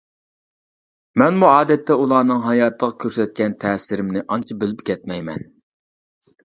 مەنمۇ ئادەتتە ئۇلارنىڭ ھاياتىغا كۆرسەتكەن تەسىرىمنى ئانچە بىلىپ كەتمەيمەن.